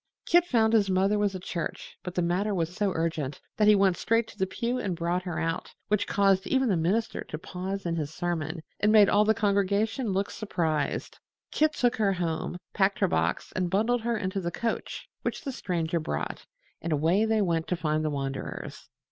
Kit found his mother was at church, but the matter was so urgent that he went straight to the pew and brought her out, which caused even the minister to pause in his sermon and made all the congregation look surprised. Kit took her home, packed her box and bundled her into the coach which the Stranger brought, and away they went to find the wanderers.